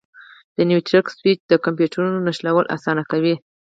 د نیټورک سویچ د کمپیوټرونو نښلول اسانه کوي.